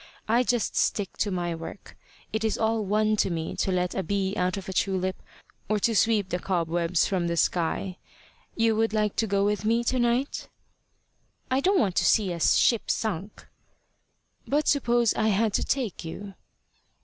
I just stick to my work. It is all one to me to let a bee out of a tulip, or to sweep the cobwebs from the sky. You would like to go with me to night?" "I don't want to see a ship sunk." "But suppose I had to take you?"